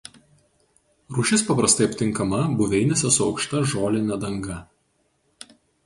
Rūšis paprastai aptinkama buveinėse su aukšta žoline danga.